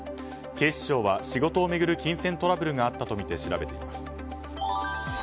警視庁は仕事を巡る金銭トラブルがあったとみて調べています。